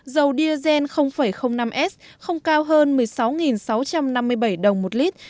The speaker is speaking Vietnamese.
dầu diesel năm s không cao hơn một mươi sáu sáu trăm năm mươi bảy đồng một lít